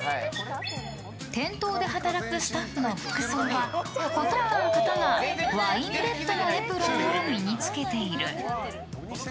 店頭で働くスタッフの服装はほとんどの方がワインレッドのエプロンを身に着けている。